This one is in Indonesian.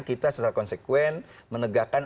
kita secara konsekuen menegakkan